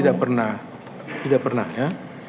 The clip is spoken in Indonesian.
tidak pernah tidak pernah ya